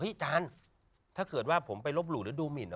เห้ยจานถ้าเกิดว่าผมไปรบหลู่หรือดูหมิ่น